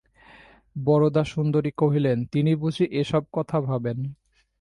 বরদাসুন্দরী কহিলেন, তিনি বুঝি এ-সব কথা ভাবেন?